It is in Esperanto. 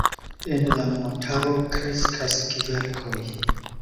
En la montaro kreskas kverkoj.